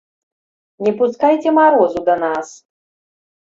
Не пускайце марозу да нас!